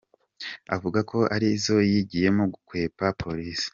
Avuga ko ari zo yigiyemo gukwepa polisi.